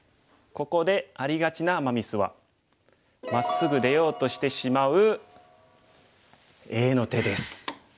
ここでありがちなアマ・ミスはまっすぐ出ようとしてしまうＡの手です。